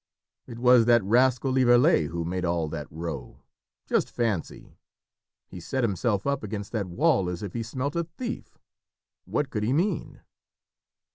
"It was that rascal Lieverlé who made all that row. Just fancy he set himself up against that wall as if he smelt a thief. What could he mean?"